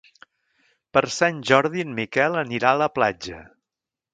Per Sant Jordi en Miquel anirà a la platja.